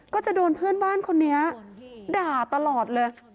ก็จะโดนเพื่อนบ้านคนนี้ด่าตลอดเลย